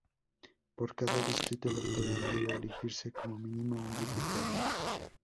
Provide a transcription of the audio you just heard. Por cada distrito electoral debe elegirse como mínimo un diputado.